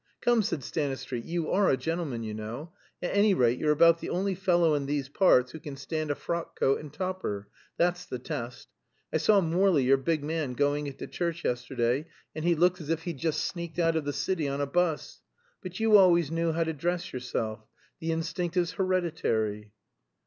"Come," said Stanistreet, "you are a gentleman, you know. At any rate, you're about the only fellow in these parts who can stand a frock coat and topper that's the test. I saw Morley, your big man, going into church yesterday, and he looked as if he'd just sneaked out of the City on a 'bus. But you always knew how to dress yourself. The instinct is hereditary."